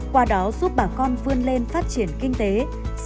qua đó giúp bà con vươn lên phát triển kinh tế xây dựng cuộc sống mới